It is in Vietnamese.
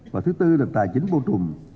và thứ tư là tài chính bô trùm